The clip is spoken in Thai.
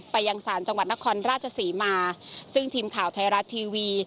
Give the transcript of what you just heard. ยังสารจังหวัดนครราชศรีมาซึ่งทีมข่าวไทยรัฐทีวี